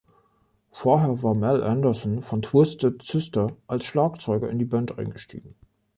Vorher war Mel Anderson von "Twisted Sister" als Schlagzeuger in die Band eingestiegen.